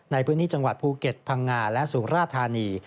ในพื้นที่จังหวัดภูเก็ตพังงาและสุราธานี